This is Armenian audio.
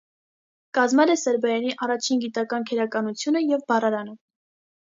Կազմել է սերբերենի առաջին գիտական քերականությունը և բառարանը։